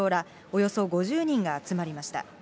およそ５０人が集まりました。